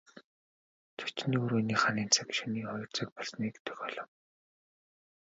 Зочны өрөөний ханын цаг шөнийн хоёр цаг болсныг дохиолов.